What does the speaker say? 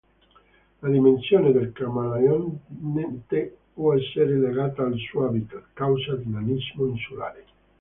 La dimensione del camaleonte può essere legata al suo habitat, causa di nanismo insulare.